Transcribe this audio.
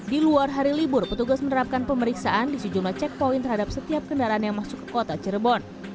di luar hari libur petugas menerapkan pemeriksaan di sejumlah checkpoint terhadap setiap kendaraan yang masuk ke kota cirebon